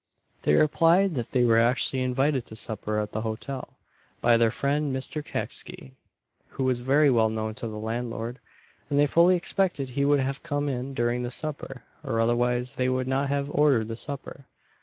They replied that they were actually invited to supper at that hotel, by their friend Mr. Kecksy, who was very well known to the landlord, and they fully expected he would have come in during the supper, or otherwise they would not have ordered the supper.